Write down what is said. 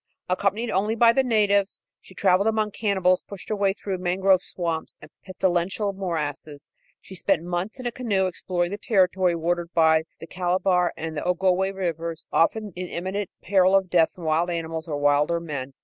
Accompanied only by the natives, she travelled among cannibals, pushed her way through mangrove swamps and pestilential morasses. She spent months in a canoe exploring the territory watered by the Calabar and Ogowé rivers, often in imminent peril of death from wild animals or wilder men.